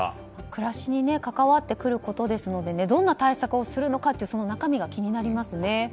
暮らしに関わってくることですのでどんな対策をするのかその中身が気になりますね。